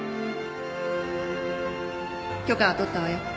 許可は取ったわよ